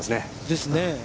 ですね。